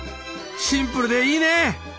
シンプルでいいね。